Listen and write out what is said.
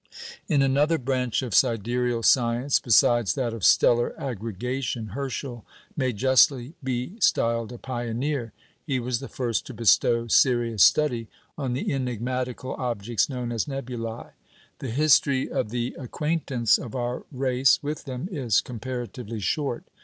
In another branch of sidereal science besides that of stellar aggregation, Herschel may justly be styled a pioneer. He was the first to bestow serious study on the enigmatical objects known as "nebulæ." The history of the acquaintance of our race with them is comparatively short.